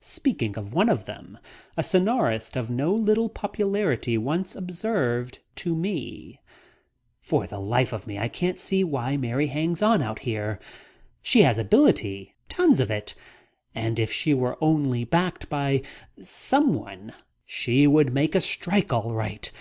Speaking of one of them, a scenarist of no little popularity once observed to me: "For the life of me I can't see why Mary hangs on out here. She has ability tons of it. And if she were only backed by someone she would make a strike, all right.